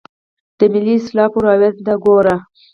د ملي اسلافو روایت ته ګورو.